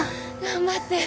頑張って。